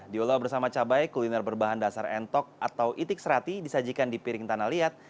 diolah bersama cabai kuliner berbahan dasar entok atau itik serati disajikan di piring tanah liat